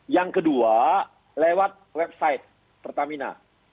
yang kedua lewat website pertamina